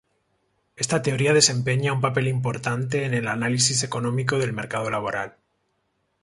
Esta teoría desempeña un papel importante en el análisis económico del mercado laboral.